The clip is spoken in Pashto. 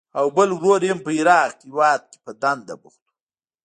او بل ورور یې هم په عراق هېواد کې په دنده بوخت و.